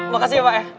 makasih ya pak ya